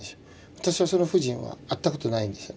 私はその夫人は会ったことないんですよね。